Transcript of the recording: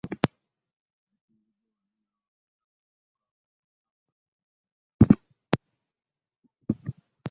Yasinzidde wana n'awabula abavubuka okukomya obwa ssemugayaavu